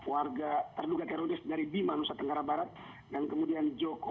warga terduga teroris dari bima nusa tenggara barat dan kemudian joko